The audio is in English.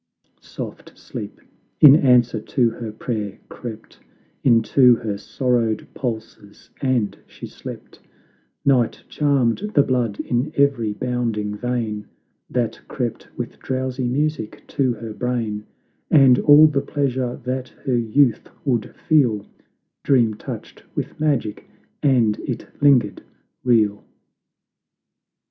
Soft sleep, in answer to her prayer, crept Into her sorrowed pulses, and she slept; Night charmed the blood in every bounding vein, That crept with drowsy music to her brain, And all the pleasure that her youth would feel Dream touched with magic and it lingered real.